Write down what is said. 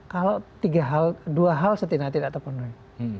kalau dua hal setidaknya tidak terpenuhi